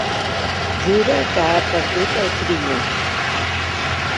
Jura que ha perdut el primer.